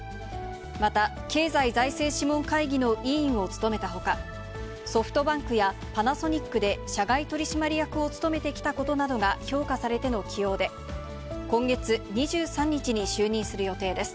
また、経済財政諮問会議の委員を務めたほか、ソフトバンクやパナソニックで社外取締役を務めてきたことなどが評価されての起用で、今月２３日に就任する予定です。